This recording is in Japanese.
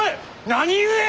何故！？